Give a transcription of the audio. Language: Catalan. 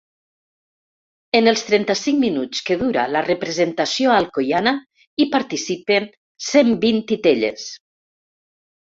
En els trenta-cinc minuts que dura la representació alcoiana, hi participen cent vint titelles.